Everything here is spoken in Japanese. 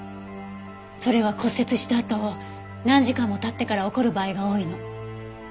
それは骨折したあと何時間も経ってから起こる場合が多いの。